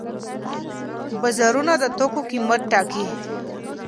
بازارونه د توکو قیمت ټاکي.